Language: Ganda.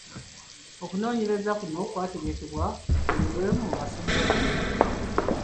Okunoonyereza kuno kwategekebwa kukolebwe mu masomero gonna.